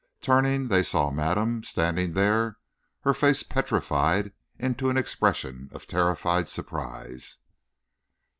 Turning, they saw madame standing there, her face petrified into an expression of terrified surprise.